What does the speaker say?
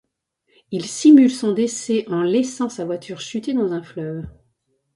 Il simule son décès en laissant sa voiture chuter dans un fleuve.